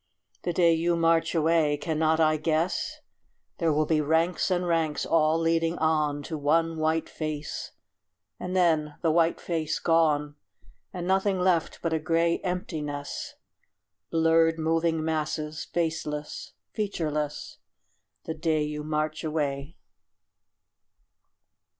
The day you march away cannot I guess? There will be ranks and ranks, all leading on To one white face, and then the white face gone, And nothing left but a gray emptiness Blurred moving masses, faceless, featureless The day you march away.